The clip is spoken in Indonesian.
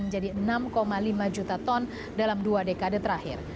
menjadi enam lima juta ton dalam dua dekade terakhir